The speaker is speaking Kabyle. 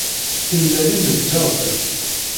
Timellalin n tyaziṭ